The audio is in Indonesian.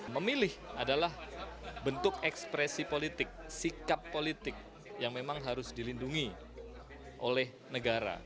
memilih adalah bentuk ekspresi politik sikap politik yang memang harus dilindungi oleh negara